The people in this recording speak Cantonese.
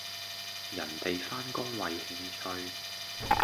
人地返工為興趣